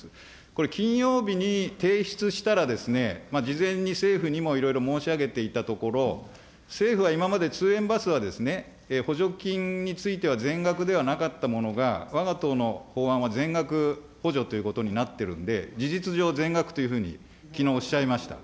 これ、金曜日に提出したら、事前に政府にもいろいろ申し上げていたところ、政府は今まで通園バスは補助金については全額ではなかったものが、わが党の法案は全額補助ということになってるんで、事実上、全額というふうにきのうおっしゃいました。